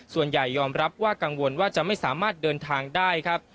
ยอมรับว่ากังวลว่าจะไม่สามารถเดินทางได้ครับ